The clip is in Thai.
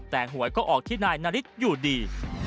แต่หวยก็ออกที่นายนาริสอยู่ดี